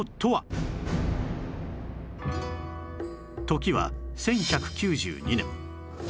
時は１１９２年